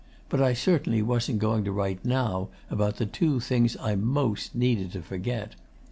But I certainly wasn't going to write now about the two things I most needed to forget.